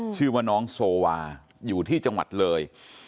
ชื่อว่าน้องโซวาอยู่ที่จังหวัดเลย